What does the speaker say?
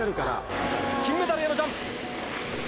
金メダルへのジャンプ。